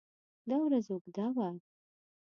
دا ورځ اوږده وه.